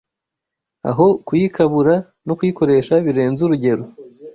aho kuyikabura no kuyikoresha birenze urugero.